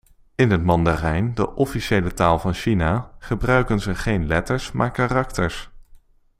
In het Mandarijn, de officiële taal van China, gebruiken ze geen letters maar karakters.